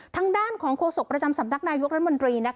ทางด้านของโฆษกประจำสำนักนายกรัฐมนตรี